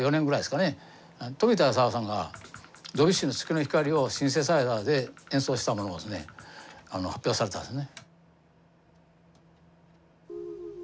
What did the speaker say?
冨田勲さんがドビュッシーの「月の光」をシンセサイザーで演奏したものをですね発表されたんですね。